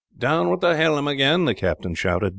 "Down with the helm again!" the captain shouted.